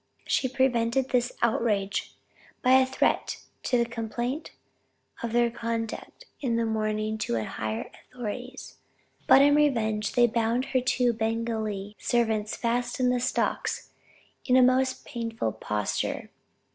She prevented this outrage by a threat to complain of their conduct in the morning to higher authorities, but in revenge they bound her two Bengalee servants fast in the stocks in a most painful posture.